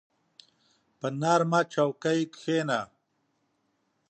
په نرمه چوکۍ کښېنه.